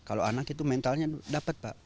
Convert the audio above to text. kalau anak itu mentalnya dapat pak